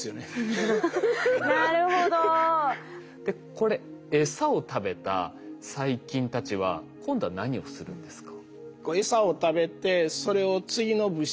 これエサを食べた細菌たちは今度は何をするんですか？